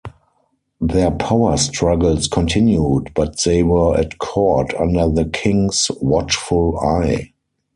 Their power struggles continued, but they were at court under the king's watchful eye.